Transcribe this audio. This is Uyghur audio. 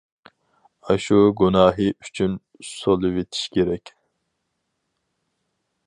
— ئاشۇ گۇناھى ئۈچۈن سولىۋېتىش كېرەك.